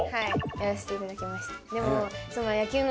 やらせていただきました。